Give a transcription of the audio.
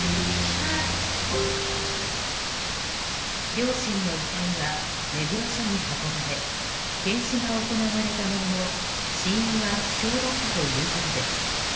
両親の遺体は目黒署に運ばれ検視が行われたものの、死因は不詳だったということです。